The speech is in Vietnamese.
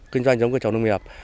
kinh doanh giống cây trồng lâm nghiệp